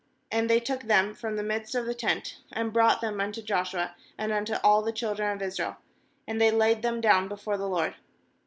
• ^And they took them from the midst of the tent, and brought them unto Joshua, and unto all the children of Israel; and they laid them down before the LORD.